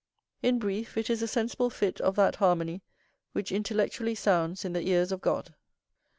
In brief, it is a sensible fit of that harmony which intellectually sounds in the ears of God.